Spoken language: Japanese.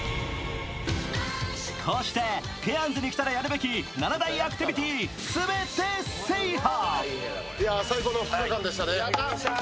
こうして、ケアンズに来たらやるべき７大アクティビティーすべて制覇。